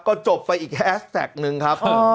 ก็จบไปอีกแฮสแท็กนึงครับ